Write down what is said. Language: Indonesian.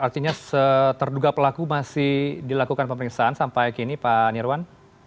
artinya terduga pelaku masih dilakukan pemeriksaan sampai kini pak nirwan